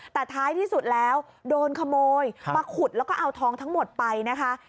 แต่ท้ายที่สุดแล้วโดนขโมยมาขุดแล้วก็เอาทองทั้งหมดไปนะคะ